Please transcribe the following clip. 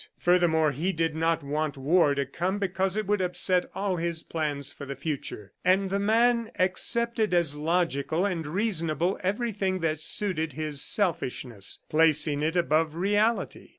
... Furthermore he did not want war to come because it would upset all his plans for the future; and the man accepted as logical and reasonable everything that suited his selfishness, placing it above reality.